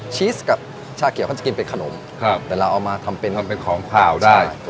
ชีสกับชาเขียวเขาจะกินเป็นขนมครับแต่เราเอามาทำเป็นทำเป็นของขาวได้